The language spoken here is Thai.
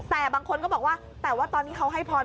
แต่บางคนก็บอกว่าแต่ว่าตอนนี้เขาให้พร